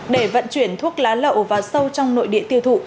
để vận chuyển thuốc lá lậu vào sâu trong nội địa tiêu thụ